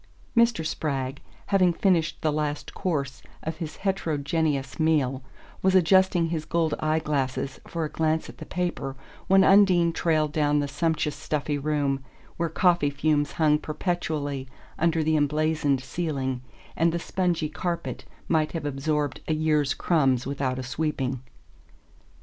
Mr. Spragg, having finished the last course of his heterogeneous meal, was adjusting his gold eye glasses for a glance at the paper when Undine trailed down the sumptuous stuffy room, where coffee fumes hung perpetually under the emblazoned ceiling and the spongy carpet might have absorbed a year's crumbs without a sweeping.